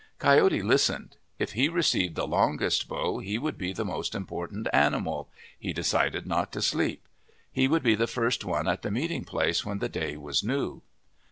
Coyote listened. If he received the longest bow, he would be the most important animal ; he decided not to sleep. He would be the first one at the meet ing place when the day was new.